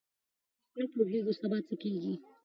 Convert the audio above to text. موږ نه پوهېږو سبا څه کیږي.